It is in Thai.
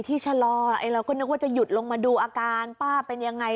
ชะลอเราก็นึกว่าจะหยุดลงมาดูอาการป้าเป็นยังไง